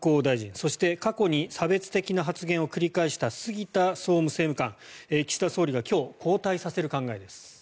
そして、過去に差別的な発言を繰り返した杉田総務政務官岸田総理が今日、交代させる考えです。